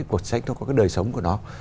cuộc sách nó có cái đời sống của nó